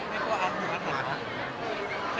ไม่กลัวมาก